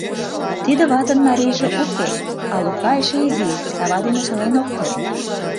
Тиде ватын марийже уке, а Лука эше изи, сава дене солен ок керт.